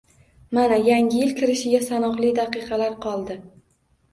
Mana, Yangi yil kirishiga sanoqli daqiqalar qoldi